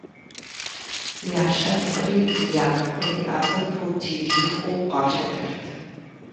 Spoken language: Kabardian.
Я лъэпкъри япхъури абы пуд ирихъуу къалъытэрт.